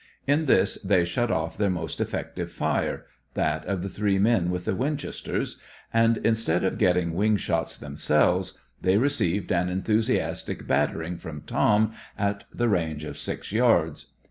In this they shut off their most effective fire that of the three men with the Winchesters and, instead of getting wing shots themselves, they received an enthusiastic battering from Tom at the range of six yards.